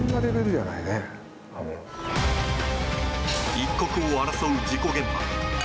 一刻を争う事故現場。